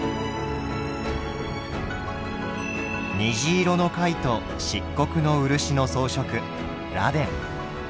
虹色の貝と漆黒の漆の装飾螺鈿。